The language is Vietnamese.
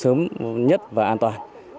sớm nhất và an toàn